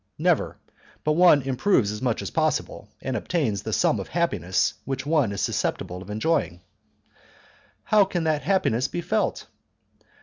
"Never; but one improves as much as possible, and obtains the sum of happiness which one is susceptible of enjoying." "And how can that happiness be felt?"